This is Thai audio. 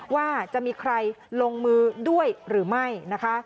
ว่าจะมีใครลงมือด้วยหรือไม่นะคะ